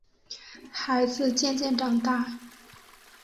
孩子渐渐长大